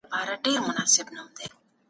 هغوی به ازمایښتي څېړنه ترسره کړي.